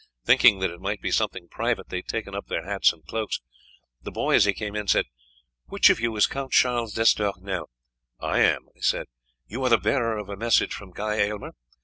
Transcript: Thinking that it might be something private, they had taken up their hats and cloaks. The boy, as he came in, said, 'Which of you is Count Charles d'Estournel?' 'I am,' I said. 'You are the bearer of a message from Guy Aylmer?'